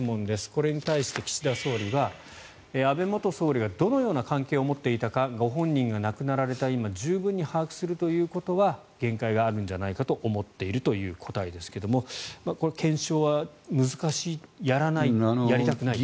これに対して、岸田総理は安倍元総理がどのような関係を持っていたかご本人が亡くなられた今十分に把握するということは限界があるんじゃないかと思っているという答えですがこれ、検証は難しいやらない、やりたくない。